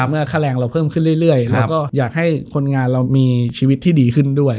เมื่อค่าแรงเราเพิ่มขึ้นเรื่อยเราก็อยากให้คนงานเรามีชีวิตที่ดีขึ้นด้วย